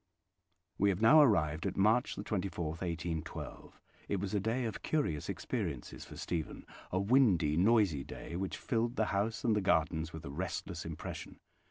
We have now arrived at March 24, 1812. It was a day of curious experiences for Stephen: a windy, noisy day, which filled the house and the gardens with a restless impression.